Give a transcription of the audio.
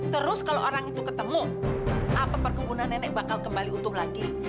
terus kalau orang itu ketemu apa perkebunan nenek bakal kembali utuh lagi